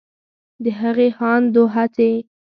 د هغې هاند و هڅې